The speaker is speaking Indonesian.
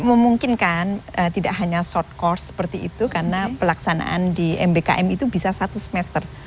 memungkinkan tidak hanya short course seperti itu karena pelaksanaan di mbkm itu bisa satu semester